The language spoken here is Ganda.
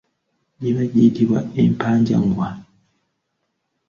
Giba giyitibwa empajangwa.